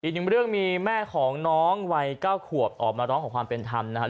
อีกหนึ่งเรื่องมีแม่ของน้องวัย๙ขวบออกมาร้องขอความเป็นธรรมนะครับ